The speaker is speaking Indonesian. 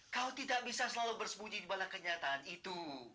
kau tidak bisa selalu bersembunyi di balik kenyataan itu